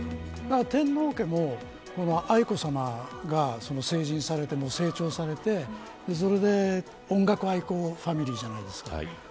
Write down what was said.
天皇家も、愛子さまが成人されて成長されて音楽愛好ファミリーじゃないですか。